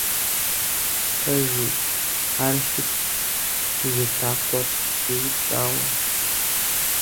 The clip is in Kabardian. Пэжу, ар щытт зы лъакъуэр щӀиупщӀауэ.